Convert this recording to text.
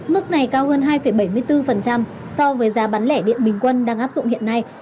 mức này cao hơn hai bảy mươi bốn so với giá bán lẻ điện bình quân đang áp dụng hiện nay